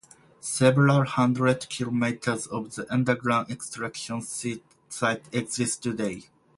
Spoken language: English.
Several hundred kilometers of the underground extraction site exist today.